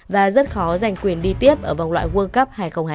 và rất khó giành quyền đi tiếp ở vòng loại world cup hai nghìn hai mươi